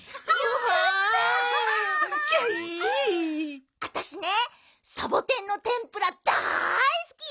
あたしねサボテンのてんぷらだいすき！